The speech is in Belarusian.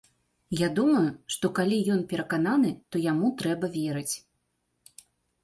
Я думаю, што калі ён перакананы, то яму трэба верыць.